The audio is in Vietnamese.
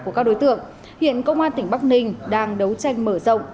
của các đối tượng hiện công an tỉnh bắc ninh đang đấu tranh mở rộng